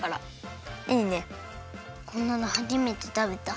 こんなのはじめてたべた。